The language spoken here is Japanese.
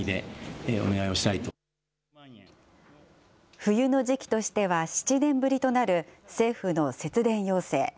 冬の時期としては７年ぶりとなる、政府の節電要請。